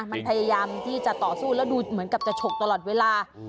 มันพยายามที่จะต่อสู้แล้วดูเหมือนกับจะฉกตลอดเวลา